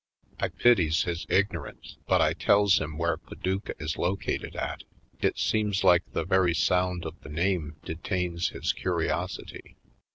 I pities his ignorance, but I tells bim where Paducah is located at. It seems like the very sound of the name detains his curiosity.